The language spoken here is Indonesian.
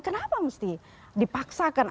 kenapa mesti dipaksakan